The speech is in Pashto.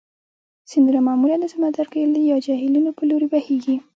سیندونه معمولا د سمندرګیو یا جهیلونو په لوري بهیږي.